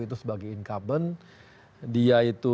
itu sebagai incumbent